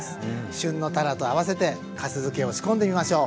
旬のたらと合わせてかす漬けを仕込んでみましょう。